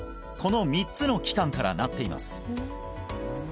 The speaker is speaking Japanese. この３つの器官からなっています